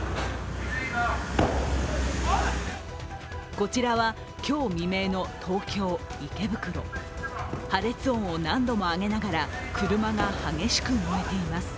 こちらは、今日未明の東京・池袋。破裂音を何度も上げながら車が激しく燃えています。